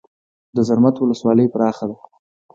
د زرمت ولسوالۍ پراخه ده